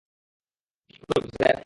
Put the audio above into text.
কী করব, স্যার?